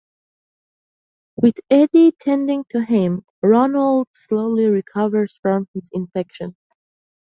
With Eddie tending to him, Roland slowly recovers from his infection.